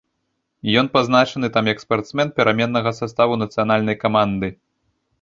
Ён пазначаны там як спартсмен пераменнага саставу нацыянальнай каманды.